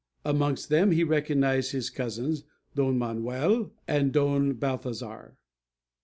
Amongst them he recognized his cousins, Don Manuel and Don Balthazar.